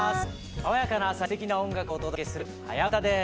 爽やかな朝にすてきな音楽をお届けする「はやウタ」です。